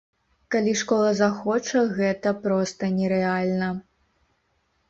Калі школа захоча, гэта проста нерэальна.